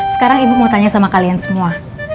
sekarang ibu mau tanya sama kalian semua